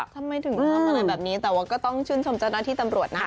ทำไมถึงทำอะไรแบบนี้แต่ว่าก็ต้องชื่นชมเจ้าหน้าที่ตำรวจนะ